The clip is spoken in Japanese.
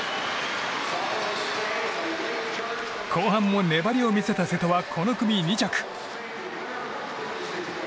後半も粘りを見せた瀬戸はこの組２着。